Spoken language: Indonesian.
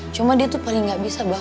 cuma dia itu paling nggak bisa bah